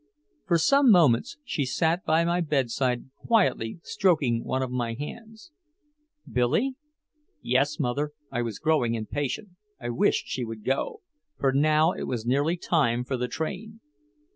For some moments she sat by my bedside quietly stroking one of my hands. "Billy." "Yes, mother." I was growing impatient, I wished she would go, for now it was nearly time for the train.